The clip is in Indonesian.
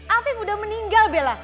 afif udah meninggal bella